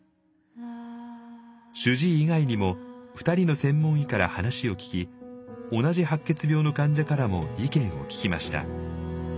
主治医以外にも２人の専門医から話を聞き同じ白血病の患者からも意見を聞きました。